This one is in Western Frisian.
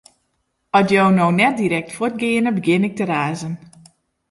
At jo no net direkt fuort geane, begjin ik te razen.